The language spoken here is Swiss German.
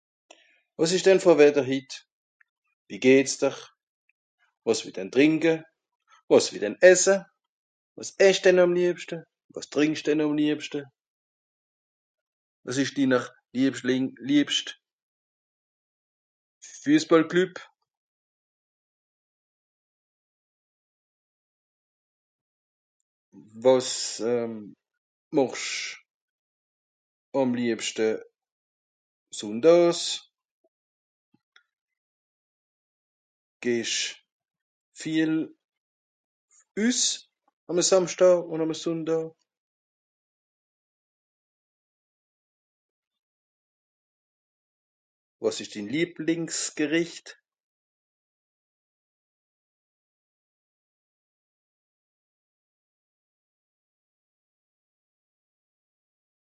wàs esch dànn ver wetter hit wie geht's'dr wàs wett'den trìnke wàs well'den esse wàs esch den àm liebschte wàs trìnksch den àm liebschte wàs esch dinner liebschling liebscht Füessbàllclüb wàs euh màchsch àm liebschte Sùndaas geh'sch viel üss àm a samstaa ùn ùm a Sundaa wàs esch dinn lieblings gerìcht